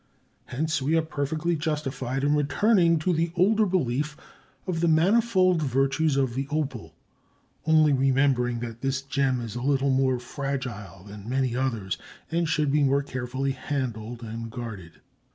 Hence we are perfectly justified in returning to the older belief of the manifold virtues of the opal, only remembering that this gem is a little more fragile than many others and should be more carefully handled and guarded.